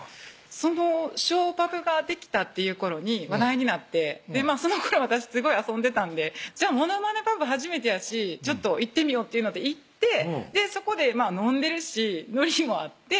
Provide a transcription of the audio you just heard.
そのショーパブができたっていう頃に話題になってそのころ私すごい遊んでたんでじゃあモノマネパブ初めてやしちょっと行ってみようっていうので行ってそこで飲んでるしノリもあって「私もやりたいやりたい」で